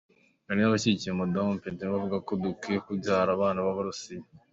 Hari n’abashigikiye Madamu Pletnyova bavuga ngo "dukwiye kubyara abana b’abarusiya".